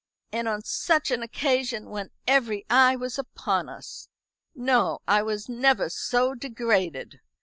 And on such an occasion, when every eye was upon us! No; I was never so degraded.